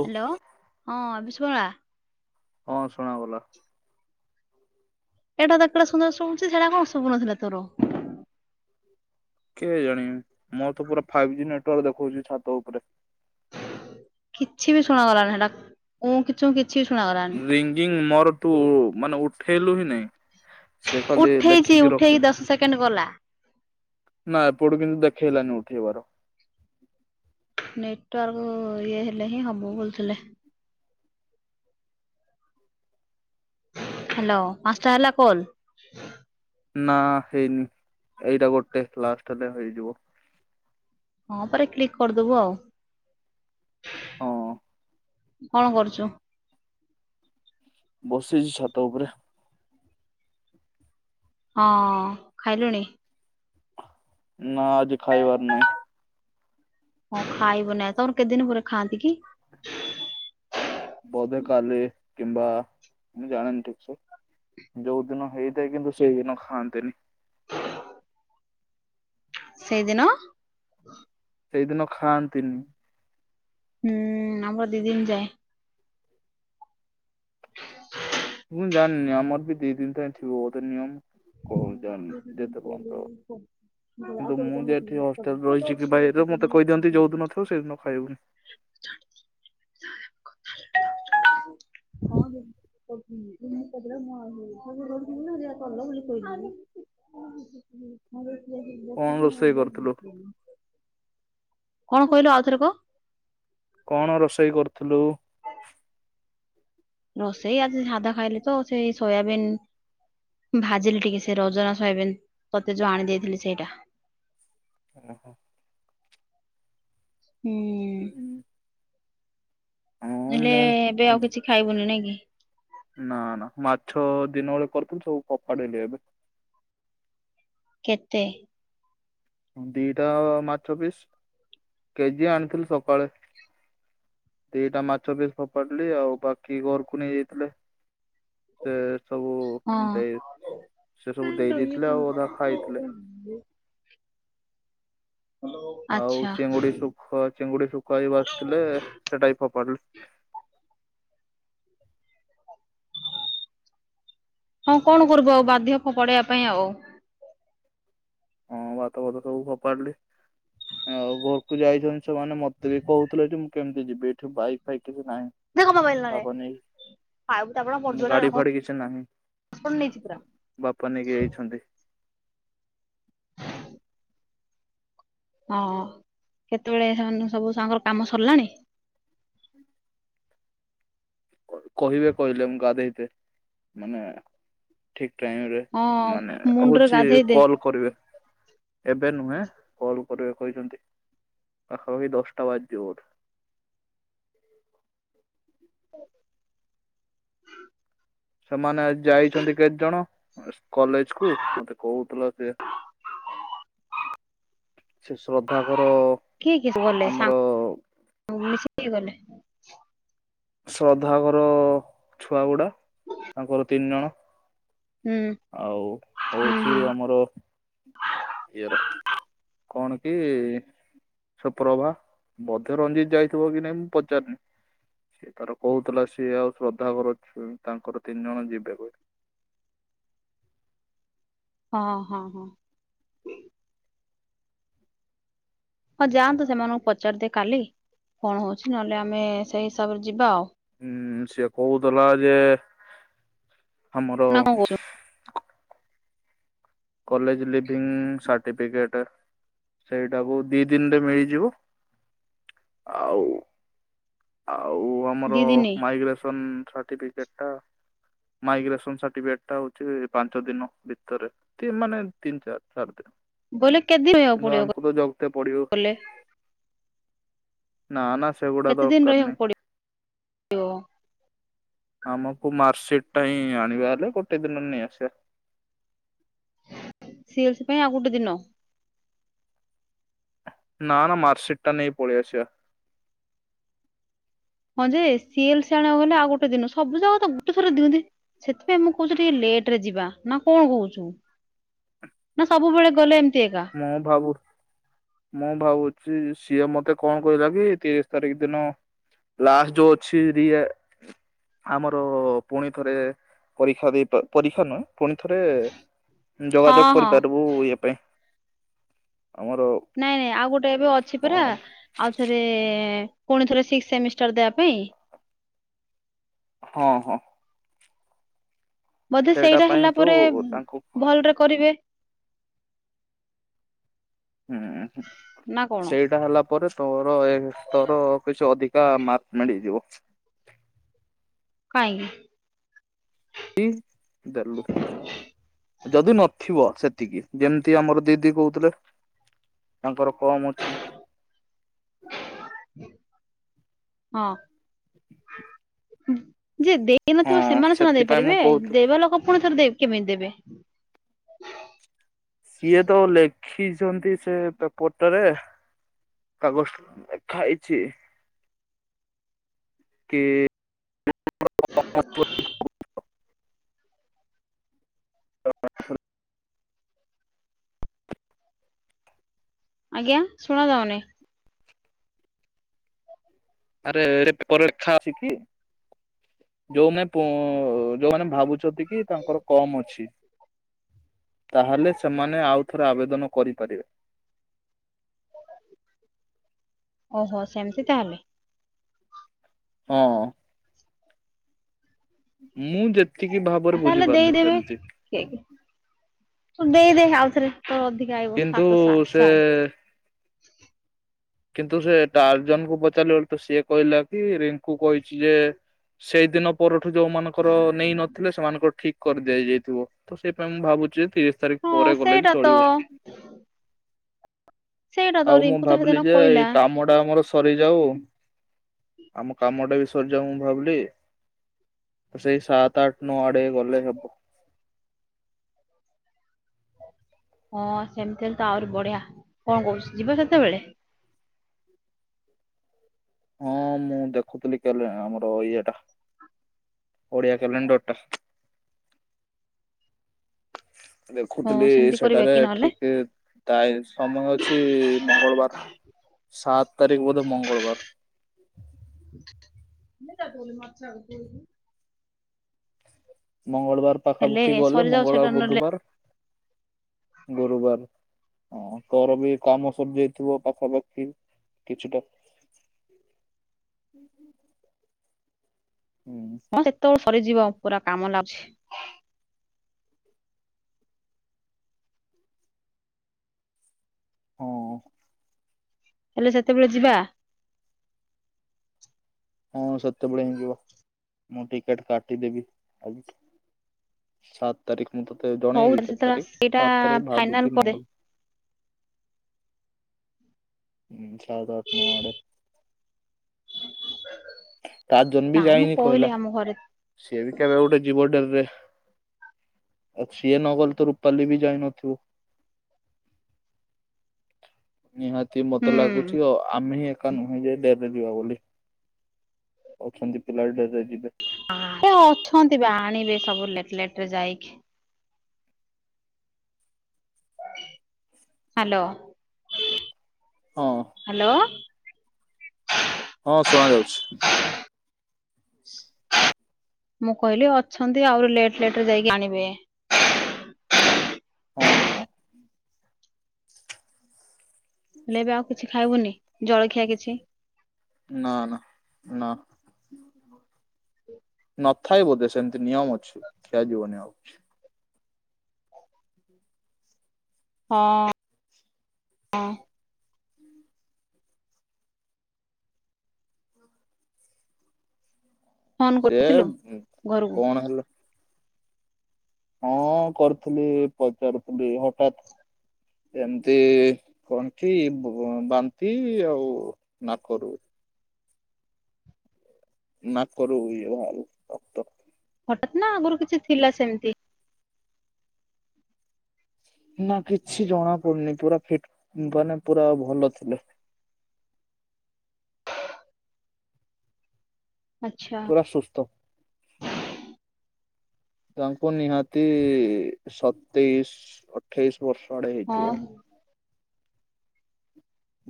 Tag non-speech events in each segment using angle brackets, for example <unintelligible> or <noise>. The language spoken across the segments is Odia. ଓ ହ୍ୟାଲୋ ହଁ ବିଷ୍ମଳା। ହଁ ଶୁଣା ଗଲା। ଏଟା ତ କେଡେ ସୁନ୍ଦର ଶୁବୁଚି ସେଟା କଣ ଶୁଭୁ ନଥିଲା ତୋର? କେ ଜାଣି ମୋର ତ ପୁରା ଫାଇଭ୍ ଜି ନେଟୱାର୍କ୍ ଦେଖଉଛି ଛାତ ଉପରେ? କିଛି ବି ଶୁଣାଗଲାନି ସେଟାଁ। ଉଁ କି ଚୁଁ କିଛି କିଛି ବି ଶୁଣାଗଲାନି। ରିଙ୍ଗିଂ ମୋର ତୁ ମାନେ ଉଠେଇଲୁ ହିଁ ନାଇଁ? ସେ କନ୍ଦି ଉଠେଇଛି ଲେଖିକି ରଖେ। ଉଠେଇକି ଦଶ ସେକେଣ୍ଡ ଗଲା ନା ଏପଟୁ କିନ୍ତୁ ଦେଖେଇଲାନି ଉଠେଇବାର। ନେଟୱାର୍କ ଇଏ ହେଲେ ହିଁ ହବ ବୁଲୁଥିଲେ। ହ୍ୟାଲୋ ପାଞ୍ଚଟା ହେଲା କଲ୍। <inaudible> ନା ହେଇନି ଏଇଟା ଗୋଟେ ଲାଷ୍ଟ ହେଲେ ହେଇଯିବ। ହଁ ପରେ କ୍ଲିକ କରିଦବୁ ଆଉ। ହଁ କଣ କରୁଛୁ? ବସିଛି ଛାତ ଉପରେ। ହଁ ଖାଇଲୁଣି? ନା ଆଜି ଖାଇବାର ନାହିଁ। ହଁ ଖାଇବୁ ନାଇଁ ତମର କେତେଦିନ ପରେ ଖାଆନ୍ତି କି? ବୋଧେ କାଲି କିମ୍ବା ମୁଁ ଜାଣନି ଠିକ ସେ? ଯୋଉ ଦିନ ହେଇଥାଏ କିନ୍ତୁ ସେଇଦିନ ଖାଆନ୍ତନି। ସେଇଦିନ? ସେଇଦିନ ଖାଆନ୍ତିନି। ହୁଁ ଆମର ଦି ଦିନ ଯାଏ। <inaudible> ମୁଁ ଜାଣିନି ଆମର ବି ଦି ଦିନ ପାଇଁ ଥିବ ବୋଧେ ନିୟମ। କହୁଜନ୍ ଜେତେପର୍ଯ୍ୟନ୍ତ କିନ୍ତୁ ମୁଁ ଯେ ଏଠି ହଷ୍ଟେଲ ରହିଛି କି ବାଇର ମୋତେ କହିଦିଅନ୍ତି ଯୋଉ ଦିନ ଥିବ ସେଦିନ ଖାଇବୁନି। ପ <unintelligible> ମ ବହୁତ ମ କଣ ରୋଷେଇ କରୁଥିଲୁ <inaudible> କଣ କହିଲ ଆଉଥରେ କ। କଣ ରୋଷେଇ କରୁଥିଲୁ? ରୋଷେଇ ଆଜି ସାଧା ଖାଇଲି ତ ସେଇ ସୋୟାବିନ୍ ଭାଜିଲି ଟିକେ ସେ ରଜନା ସୋୟାବିନ ତତେ ଯୋଉ ଆଣି ଦେଇେଇଥିଲି ସେଇଟା। ଓହୋ। ହୁଁ। ହୁଁ। ନେଲେ ଏବେ ଆଉ କିଛି ଖାଇବୁନି ନାଇଁ କି। ନା ନା ମାଛ ଦିନ ବେଳେ କରିଥିଲି ସବୁ ଫୋପାଡ଼ିଲି ଏବେ। କେତେ? ଦିଟା ମାଛ ପିସ୍ କେଜିଏ ଆଣିଥିଲି ସକାଳେ। ଦିଟା ମାଛ ବି ଫୋପାଡିଲି ଆଉ ବାକି ଘରକୁ ନେଇ ଯାଇଥିଲେ। ସେ ସବୁ ହଁ ଦେଇ ସେ ସବୁ ଦେଇ ଦେଇଥିଲେ ଆଉ ଅଧା ଖାଇଥିଲେ। ହୁଁ। ଆଉ ଆଚ୍ଛା ଚିଙ୍ଗୁଡି ଶୁଖ ଚିଙ୍ଗୁଡି ଶୁଖଆ ଵି ଭାଜି ଥିଲେ ସେଟା ଫୋପାଡ଼ିଲେ। ହଁ କଣ କରିବୁ ଆଉ ବାଧ୍ୟ ପଡେଇବା ପାଇଁ ଆଉ। ହଁ ଭାତ ଫାତ ସବୁ ଭପାଡିଲ ଆଉ ଘ କୁ ଯାଇଛନ୍ତି ସେମାନେ ମତେ ବି କହୁଥିଲେ ଯେ ମୁଁ କେମିତି ଯିବି ଏଠି ବାଇକ ଫାଇକ କିଛି ନାହିଁ। ଦେ ମୋ ମୋବାଇଲ ନରେ ବାପା ନେଇକି ଗାଡି ଫାଡି କିଛି ନାହିଁ ଆପଣି ନେଇଛି ପୁରା <inaudible> ବାପା ନେଇକି ଯାଇଛନ୍ତି। ହଁ କେତେବେଳେ ସେମାନେ ସବୁ ସାଙ୍ଗର କାମ ସରିଲାଣି। କହିବେ କହିଲେ ମୁଁ ଗାଧେଇତେ ମାନେ ଠିକ ଟାଇମରେ ହଁ ମାନେ ମୁଣ୍ଡରେ ହଉଛି ଗାଧେଇ ଦେ କଲ କରିବେ। ଏବେ ନୁହେଁ କଲ କରିବେ କହିଛନ୍ତି ପାଖାପାଖି ଦଶଟା ବାଜିଯିବ ବୋଧେ। ହ। ସେମାନେ ଯାଇଛନ୍ତି କେତେ ଜଣ କଲେଜକୁ ମତେ କହୁଥିଲ ସେଏ। ସେ ଶ୍ରଦ୍ଧାଙ୍କର ଆମର ହଉ ମିଶେଇ ହେଇ ଗଲେ <inaudible> ଶ୍ରଦ୍ଧା ଘର ଛୁଆ ଗୁଡା ତାଙ୍କର ତିନି ଜଣ। ହୁଁ ଆଉ ହୁଁ ହଉଛି ହୁଁ ଆମର ଇଏର କଣ କି ସେ ପ୍ରଭା ବ୍ରଜରଞ୍ଜିତ ଯାଇଥିବ କି ନାଇଁ ମୁଁ ପଚାରିନି। ତାର କହୁଥିଲା ସିଏ ଆଉ ଶ୍ରଦ୍ଧା ଘର ତାଙ୍କର ତିନି ଜଣ ଯିବେ ବୋଲି। ହଁ ହଁ ହଁ। ହଁ ଯାଆନ୍ତୁ ସେମାନଙ୍କୁ ପଚାରି ଦିଏ କାଲି କଣ ହଉଛି ନହେଲେ ଆମେ ସେଇ ହିସାବରେ ଯିବା ଆଉ। ହୁଁ ସିଏ କହୁଥିଲା ଯେ ଆମର ନା କଣ କହୁଛୁ କଲେଜ ଲିଭିଙ୍ଗ ସଟିଫିକେଟ ସେଇଟାକୁ ଦି ଦିନରେ ମିଳିଯିବ। ଆଉ ଆଉ ଆମର ଦି ଦିନି ମାଇଗ୍ରେସନ ସାଟିପି ସେଟା ମାୟୀଗ୍ରେସନ ସାଠିପିକେଟ ଟା ହଉଛି ପାଞ୍ଚ ଦିନ ଭିତରେ। ତିନ ମାନେ ତିନ ଚାରି ଚାରି ଦିନ। ବୋଇଲେ କେତେ ଦିନ ରହିବାକୁ କିନ୍ତୁ ପଡିବ ଆମକୁ ତ ଜଗତେ ପଡିବ। କହିଲେ ନାଁ ନାଁ ସେବୁ କେତେ ଦିନି ରହିବାକୁ ପଡିବ। ପଡିବ। ଆମକୁ ମାରସିଟି ଟା ହିଁ ଆଣିବା ହେଲେ ଗୋଟେ ଦିନ ରେ ନେଇ ଆସିବା। ସିଲିସି ପାଇଁ ଆଉ ଗୋଟେ ଦିନ? ନା ନା ମାରସିଟି ଟା ନେଇ ପଳି ଆସିବା। ହଁ ଯେ। ସିଏଲେସେ ଆଣିବାକୁ ଗଲେ ଆଉ ଗୋଟେ ଦିନ ସବୁ ଜାଗ ତ ଗୋଟେ ଥରେ ଦିଅନ୍ତି। ସେଥିପାଇଁ ମୁଁ କହୁଛି ଟିକେ ଲେଟେ ରେ ଯିବା ନା କଣ କହୁଛୁ? ନା ସବୁବେଳେ ଗଲେ ଏମିତି ଏକା। ମୁଁ ଭାବୁ ମୁଁ ଭାବୁଛି ସିଏ ମତେ କଣ କହିଲା କି ତିରିଶି ତାରିଖ ଦିନ ଲାଷ୍ଟ ଯୋଉ ଅଛି ରିଆ ଆମର ପୁଣି ଥରେ। ପରୀକ୍ଷା ଦେଇ ପରୀକ୍ଷା ନୁହେଁ। ପୁଣି ଥରେ। ହଁ ଯୋଗାଯୋଗ ହଁ କରିପାରିବୁ ଇ ପାଇଁ। ଆମର ନାଇଁ ନାଇଁ ଆଉ ଗୋଟେ ଏବେ ଅଛି ପରା କଣ ଆଉଥରେ ପୁଣି ଥରେ ସିକ୍ସି ସେମିଷ୍ଟାର ଦେବା ପାଇଁ? ହଁ ହଁ। ବୋଧେ ସେଇଟା ପାଇଁ ହେଲା ତୁ ପରେ। ତାଙ୍କୁ ଭଲରେ କରିବେ। ହୁଁ ହୁଁ। ନା କଣ ସେଇଟା ହେଲା ପରେ ତୋର। ଏ ସ୍ତର କିଛି ଅଧିକା ମାର୍କ ମିଳିଯିବ। କାହିଁକି? କି ଦେଲୁ? ଯଦି ନଥିବ ସେତିକି। ଯେମିତି ଆମର ଦିଦି କହୁଥିଲେ। ତାଙ୍କର କମ୍ ଅଛି। ହଁ। ଯେ ଦେ ଦେଇ ହଁ ନଥିବ ସେମାନେ ସିନା ସେଥିପାଇଁ ମୁଁ ଦେଇପାରିବେ କହୁଥିଲି ଦେବା ଲୋକ ପୁଣି ଥରେ କେମିତି ଦେବେ? ସିଏ ତ ଲେଖିଛନ୍ତି ସେ ପ ପଟ ରେ। କାଗଜ ନେଖାହେଇଛି। କି? <unintelligible> <unintelligible> ଆଜ୍ଞା ଶୁଣା ଯାଉନି? ଆରେ ଆରେ ପେପରେ ଲେଖା ଅଛି କି? ଯୋଉନାଏ ପଁ ଯୋଉମାନେ ଭାବୁ ଅଛନ୍ତି କି ତାଙ୍କର କମ୍ ଅଛି? ତାହେଲେ ସେମାନେ ଆଉ ଥରେ ଆବେଦନ କରିପାରିବେ। ଓହୋ ସେମିତି ତାହେଲେ। ହଁ। ମୁଁ ଯେତିକି ଆଉ ଭାବରେ ତାହେଲେ ବୁଝିପାରୁନି ଦେଇଦେବେ ସେମିତି କି। ଦେଇଦେ ଆଉଥରେ ତ ଅଧିକା ଆଇିବ କିନ୍ତୁ ସାତଶହ ଆଠ ସେ ଶହ ଆଉ। କିନ୍ତୁ ସେ ଡାର୍ଜନ କୁ ପଚାରିଲୁ ତୁ ସିଏ କହିଲା ଯେ ରିଙ୍କୁ କହିଛି ଯେ ସେଇଦିନ ପରଠୁ ଯୋଉ ମାନଙ୍କର ନେଇନ ଥିଲୁ ସେମାନଙ୍କର ଠିକି କରିଦିଆଯାଇଥିବ। ତ ସେଇ ପାଇଁ ମୁଁ ଭାବୁଛି ସିଏ ତାରିଖ୍ ହଁ ପରେ ଗଲେ ବି ସେଇଟା ତ ଚଳିବ। ସେଇଟା ତ ଆଉ ମୁଁ ରିଙ୍କୁ ତ ଭାବିଲି ସେଦିନ ଯେ ଏଇ କହିଲା। କାମ ଟା ଆମର ସରିଯାଉ। ଆମ କାମଟା ବି ସଜ ମୁଁ ଭାବିଲି ସେଇ ସାତ ଆଠ ନଅ ଆଡେ ଗଲେ ହବ। ହଁ ସେମିତି ହେଲେ ତ ଆହୁରି ବଢିଆ କଣ କହୁଛି ଯିବା ସେତେବେଳେ? ହଁ ମୁଁ ଦେଖୁଥିଲି କାଲି ଆମର ଇଏ ଟା ଓଡିଆ କ୍ୟାଲେଣ୍ଡର ଟା। ହଁ ଦେଖୁଥିଲି ସେମିତି କରିବା ସେଠାରେ କି ନହେଲେ ଠିକ ଟାଇ ସମୟ ଅଛି ମଙ୍ଗଳବାର। ସାତ ତାରିଖ ବୋଧେ ମଙ୍ଗଳବାର। <unintelligible> ମଙ୍ଗଳବାର ହେଲେ ପାଖାପୁଖି ଗଲେ ସରିଯାଉ ସେଟା ମଙ୍ଗଳବାର ନହେଲେ ବୁଧବାର। ଗୁରୁବାର। ହଁ ତୋର ବି କାମୋ ସରିଯାଇଥିବ ପାଖାପାଖି କିଛିଟା। ହୁଁ ସେତେବେଳୁ ସରିଯିବ ପୁରା କାମ ଲାଗଛି। ହଁ। ହେଲେ ସେତେବେଳେ ଯିବା? ହଁ ସେତେବେଳେ ହିଁ ଯିବା ମୁଁ ଟିକେଟ କାଟିଦେବି ଆଜି। ସାତ ତାରିଖ ମୁଁ ତତେ ହଉ ଜଣେଇବି କେତେ ସେତେବେଳେ ତାରିଖ ସେଇଟା ସାତ ତାରିଖ ଫାଇନାଲ ଭାବୁଛି କରିଦେ ମଙ୍ଗ ଉଁ ସାତ ଆଠ ନ ଆଡେ। ତା ଜନ ବି ନାଇଁ ମୁଁ ଯାଇନି କହିଲି କହିଲା ଆମ ଘରେ ସିଏ ବି କେବେ ଗୋଟେ ଯିବ ଡ଼େରିରେ। ଏ ସିଏ ନଗଲେ ତ ରୂପାଲି ବି ଯାଇନଥିବ। ନିହାତି ହୁଁ। ମତେ ଲାଗୁଛି ଅ ଆମେ ହିଁ ଏକା ନୁହେଁ ଯେଡ ଯିବା ବୋଲି ଅଛନ୍ତି ପିଲା ଡେରିରେ ଯିବେ। ଆ ଏ ଅଛନ୍ତି ବା ଆଣିବେ ସବୁ ଲେଟ ଲେଟ ରେ ଯାଇକି। ହାଲୋ! ହଁ। ହାଲୋ! ହଁ ଶୁଣା ଯାଉଛି। ମୁଁ କହିଲି ଅଛନ୍ତି ଆହୁରି ଲେଟ୍ ଲେଟରେ ଯାଇକି ଆଣିବେ। ହଁ ହଁ। ହେଲେ ଏବେ ଆଉ କିଛି ଖାଇବୁନି ଜଳଖିଆ କିଛି? ନା ନା ନା ନଥାଏ ବୋଧେ ସେମ୍ ତ ନିୟମ ଅଛି ଖିଆଯିବନି ଆଉ। ହଁ ହଁ। ଫୋନ ସେ କରିଥିଲୁ। ଉ ଘରକୁ କଣ ହେଲା? ହଁ କରିଥିଲି ପଚାରୁଥିଲି ହଠାତ୍ ଏମତି ତଣ୍ଟୀ ବ ବ ବାନ୍ତି ଆଉ ନାକରୁ। ନାକରୁ ଇଏ ବାହାରିଲା ରକ୍ତ। ହଠତ୍ ନା ଆଗରୁ କିଛି ଥିଲା ସେମିତି? ନା କିଛି ଜଣା ପଡୁନି ପୁରା ଫିଟ୍ ମାନେ ପୁରା ଭଲ ଥିଲେ। ଆଚ୍ଛା ପୁରା ସୁସ୍ଥ ତାଙ୍କୁ ନିହାତି ସତେଇଶ ଅଠେଇଶି ବର୍ଷ ଆଡେ ହଁ। ହେଇଥିବ।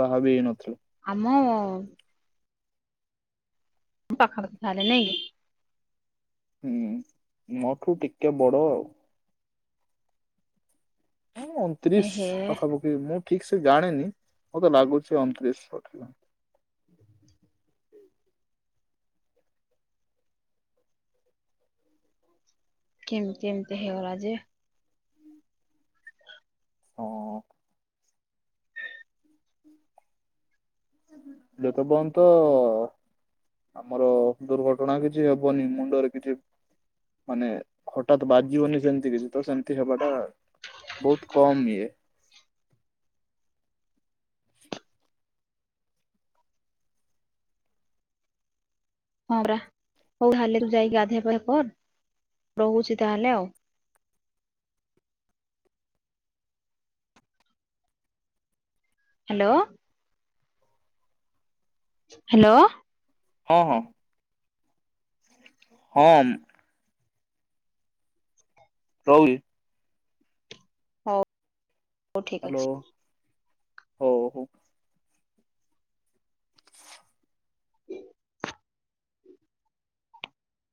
ବାହା ବି ହେଇ ନଥିଲା। ଆମ ପାଖା ପାଖି ତାହଲେ ନାଇଁ କି? ହୁଁ, ମୋ ଠୁ ଟିକେ ବଡ ଆଉ। ଊ ଏ ଅଣତିରିଶ ହେ ପାଖାପାଖି ମୁଁ ଠିକ ସେ ଜାଣିନି ମତେ ଲାଗୁଛି ଅଣତିରିଶ ବୋଧେ ଥିଲା। କେମତି ଏମିତି ହେଇଗଲା ଯେ? <inaudible> ଯେତେ ପନ୍ତ ଆମର ଦୁର୍ଘଟଣା କିଛି ହବନି ମୁଣ୍ଡରେ କିଛି ମାନେ ହଠାତ ବାଜିବନି ସେମିତି କିଛି ତ ସେମିତି ହବାଟା ବହୁତ କମ ଇଏ। ହଁ ପରା ହଉ ତାହେଲେ ତୁ ଯାଇକି ଗାଧେଇ ପାଧା କର ରହୁଛି ତାହେଲେ ଆଉ। ହାଲୋ। ହାଲୋ। ହଁ ହଁ। ହଁ ମ। ରହୁଲି। ହଉ ହଉ ଠିକ ଅଛି। ହ୍ୟାଲୋ ହଉ ହଉ। ହ